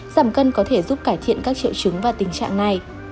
giảm cân có thể giúp cải thiện các triệu chứng và tình trạng này